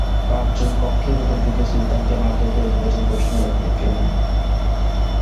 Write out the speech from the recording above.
পাঁচজন কক্ষের ভেতরে ঢুকে সুলতানকে মারধর করে নির্বাচন কমিশনের ল্যাপটপ কেড়ে নেয়।